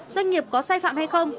doanh nghiệp có sai phạm hay không